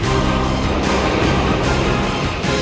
saya akan menjaga kebenaran raden